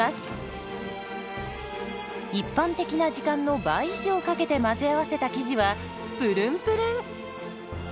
一般的な時間の倍以上かけて混ぜ合わせた生地はプルンプルン。